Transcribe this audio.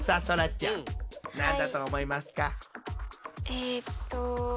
えっと。